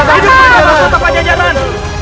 hidup berada di kianjaman